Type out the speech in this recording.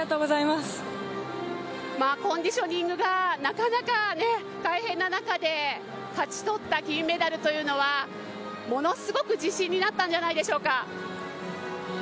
コンディショニングがなかなか大変な中で勝ち取った金メダルというのは、ものすごく自信になったんじゃないでしょうか。